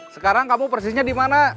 sekarang kamu persisnya dimana